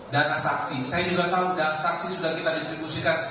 data saksi saya juga tahu saksi sudah kita distribusikan